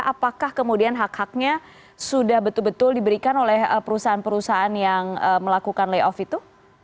apakah kemudian hak haknya sudah betul betul diberikan oleh perusahaan perusahaan yang melakukan layoff itu